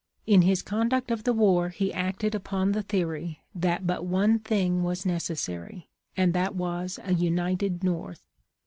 " In his conduct of the war he acted upon the theory that but one thing was necessary, and that was a united North.